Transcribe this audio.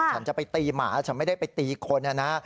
ฉันจะไปตีหมาฉันไม่ได้ไปตีคนนะนะ